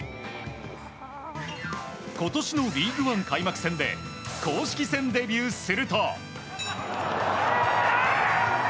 今年のリーグワン開幕戦で公式戦デビューすると。